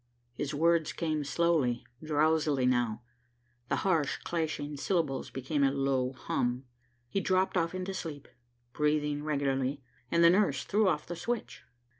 His words came slowly, drowsily now. The harsh, clashing syllables became a low hum. He dropped off into sleep, breathing regularly, and the nurse threw off the switch.